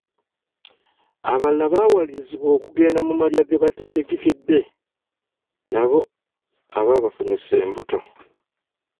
Abalala bawalirizibbwa okugenda mu malya ge bateetegekedde nabo abaabafunyisa embuto.